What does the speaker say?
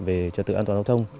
về trật tự an toàn giao thông